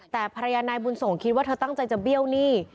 แต่ภรรยานายบุญส่งคิดว่าเธอตั้งใจจะเบี้ยวหนี้